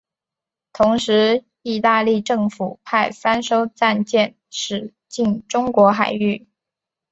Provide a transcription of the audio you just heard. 同时意大利政府派三艘战舰驶进中国海域。